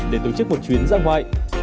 để tổ chức một chuyến ra ngoại